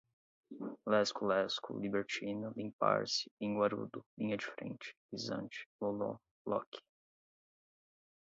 lesco lesco, libertina, limpar-se, linguarudo, linha de frente, lisante, loló, loque